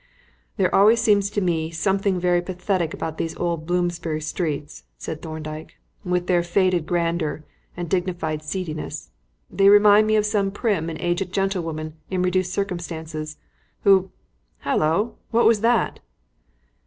"There always seems to me something very pathetic about these old Bloomsbury streets," said Thorndyke, "with their faded grandeur and dignified seediness. They remind me of some prim and aged gentlewoman in reduced circumstances who Hallo! What was that?"